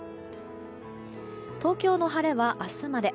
東京の晴れは明日まで。